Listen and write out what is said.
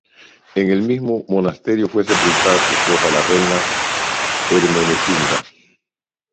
En el mismo monasterio fue sepultada su esposa, la reina Ermesinda.